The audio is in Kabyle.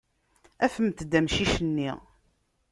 Afemt-d amcic-nni.